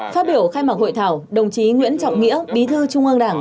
phát biểu khai mạc hội thảo đồng chí nguyễn trọng nghĩa bí thư trung ương đảng